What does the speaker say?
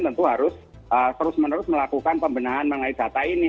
tentu harus terus menerus melakukan pembenahan mengenai data ini